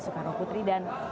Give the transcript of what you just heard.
soekarno putri dan